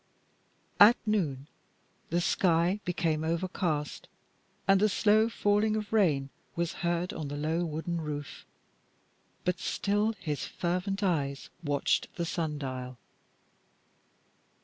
At noon the sky became overcast and the slow falling of rain was heard on the low wooden roof. But still his fervent eyes watched the sun dial.